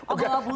oh bawa burung